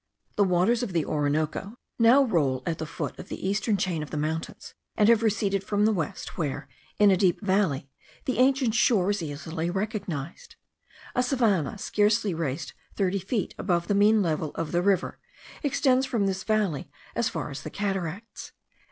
The waters of the Orinoco now roll at the foot of the eastern chain of the mountains, and have receded from the west, where, in a deep valley, the ancient shore is easily recognized. A savannah, scarcely raised thirty feet above the mean level of the river, extends from this valley as far as the cataracts.